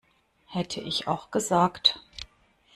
Hätte ich auch gesagt.